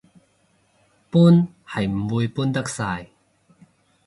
搬係唔會搬得晒